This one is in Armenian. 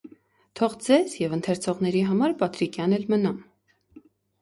թող ձեզ և ընթերցողների համար Պատրիկյան էլ մնամ.